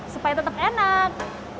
supaya tetap enak